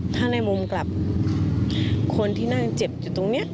ถ้าในมุมกลับคนที่นั่งเจ็บอยู่ตรงนี้